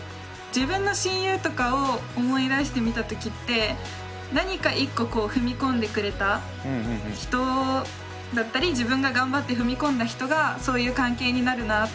自分の親友とかを思い出してみたときって何か１個こう踏み込んでくれた人だったり自分が頑張って踏み込んだ人がそういう関係になるなあと。